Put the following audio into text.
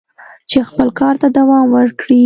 چې خپل کار ته دوام ورکړي."